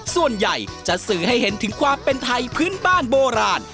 ส่วนใหญ่จะสื่อให้เห็นถึงความเป็นไทยพื้นบ้านโบราณ